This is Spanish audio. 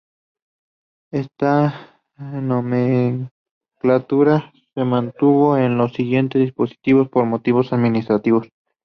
Esta nomenclatura se mantuvo en los siguientes dispositivos por motivos administrativos.